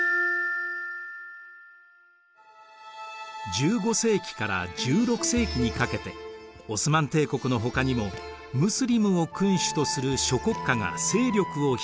１５世紀から１６世紀にかけてオスマン帝国のほかにもムスリムを君主とする諸国家が勢力を広げていました。